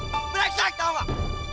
breksek tau gak